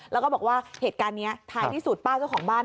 แล้วก็บอกว่าเหตุการณ์นี้ท้ายที่สุดป้าเจ้าของบ้าน